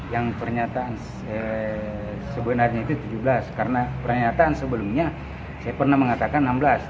yang pernyataan sebenarnya itu tujuh belas karena pernyataan sebelumnya saya pernah mengatakan enam belas